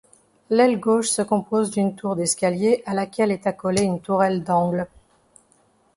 L'aile gauche se compose d'une tour d'escalier à laquelle est accolée une tourelle d'angle.